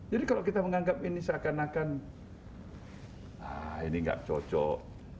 jadi kalau kita menganggap ini seakan akan ini nggak cocok